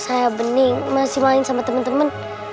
saya bening masih main sama temen temen